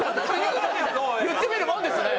言ってみるもんですね！